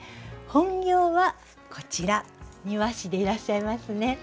本業はこちら庭師でいらっしゃいますね。